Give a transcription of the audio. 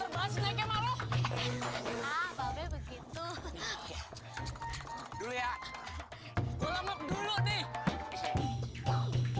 astagfirullahaladzim nih gua nih orang telmi ya